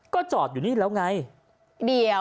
ก็จอดอยู่นี่แล้วไง